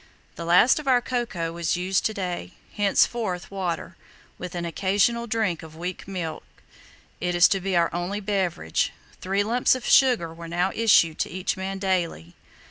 The last of our cocoa was used to day. Henceforth water, with an occasional drink of weak milk, is to be our only beverage. Three lumps of sugar were now issued to each man daily.